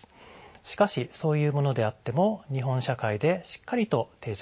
しかしそういうものであっても日本社会でしっかりと定着しています。